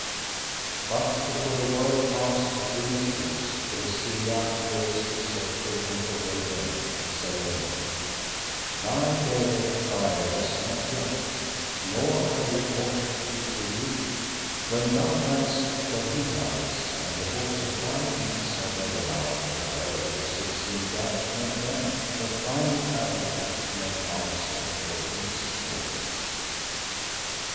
But before a word passed Atene's lips the Hesea raised her sceptre and forbade them, saying "Thy day of trial is not yet, nor have we aught to do with thee. When thou liest where he lies and the books of thy deeds are read aloud to her who sits in judgment, then let thine advocate make answer for these things."